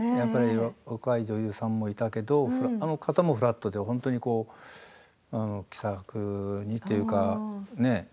若い女優さんもいたけどあの方もフラットで本当に気さくにというか。